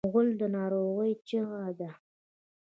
غول د ناروغۍ چیغه ده.